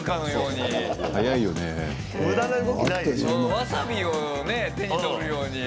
わさびをね手に取るように。